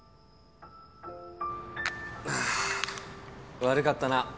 あー悪かったな。